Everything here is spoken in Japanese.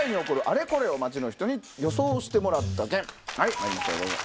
まいりましょうどうぞ。